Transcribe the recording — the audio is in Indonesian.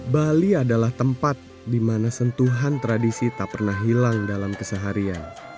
bali adalah tempat di mana sentuhan tradisi tak pernah hilang dalam keseharian